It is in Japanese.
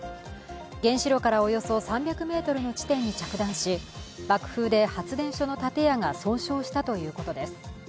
原子炉からおよそ３００ｍの地点に着弾し、爆風で発電所の建屋が損傷したということです。